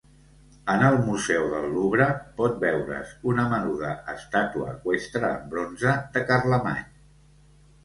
En el Museu del Louvre pot veure's una menuda estàtua eqüestre en bronze de Carlemany.